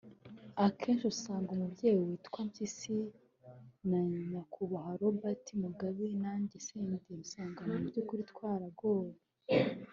Akenshi usanga umubyeyi witwa Mpyisi na Nyakubahwa Robert Mugabe nanjye Senderi usanga mu by’ukuri twaragowe